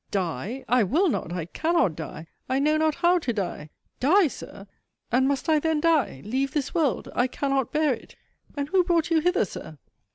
Die! I will not, I cannot die! I know not how to die! Die, Sir! And must I then die? Leave this world? I cannot bear it! And who brought you hither, Sir?